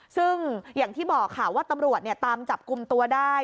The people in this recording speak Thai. ซึ่งอย่างที่บอกค่ะว่าตำรวจตามจับกลุ่มตัวได้